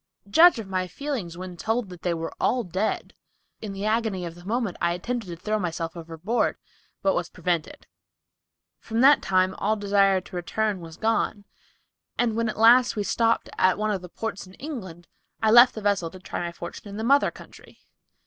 Judge of my feelings when told that they were all dead. In the agony of the moment, I attempted to throw myself overboard, but was prevented. From that time all desire to return was gone, and when at last we stopped at one of the ports in England, I left the vessel to try my fortune in the mother country."